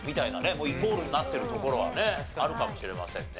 もうイコールになってるところはあるかもしれませんね。